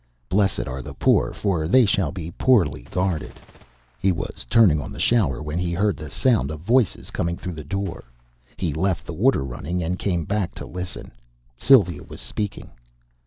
Blessed are the poor, for they shall be poorly guarded! He was turning on the shower when he heard the sound of voices coming through the door. He left the water running and came back to listen. Sylvia was speaking.